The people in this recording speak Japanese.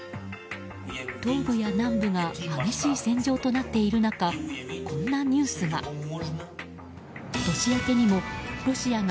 東部や南部が激しい戦場となっている中こんなニュースが。